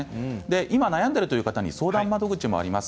今、悩んでいるという方に相談窓口もあります。